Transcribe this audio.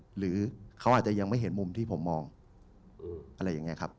หรือเขาอาจจะยังไม่เห็นมุมที่ผมมองอะไรอย่างนี้ครับ